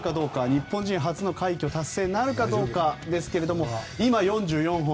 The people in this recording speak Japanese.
日本人初の快挙達成なるかどうかですが今、４４本